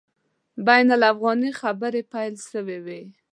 بین الافغاني خبري پیل سوي وای.